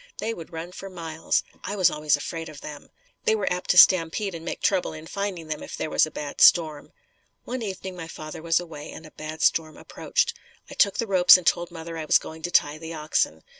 They would run for miles. I was always afraid of them. They were apt to stampede and make trouble in finding them if there was a bad storm. One evening father was away and a bad storm approached. I took the ropes and told mother I was going to tie the oxen.